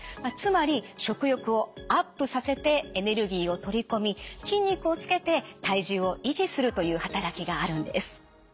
つまり食欲をアップさせてエネルギーを取り込み筋肉をつけて体重を維持するという働きがあるんです。